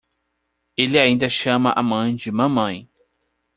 Ele ainda chama a mãe de "mamãe".